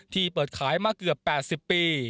ที่เปิดขายมาเกือบ๘๐ปี